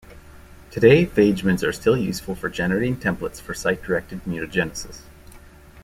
Today phagemids are still useful for generating templates for site-directed mutagenesis.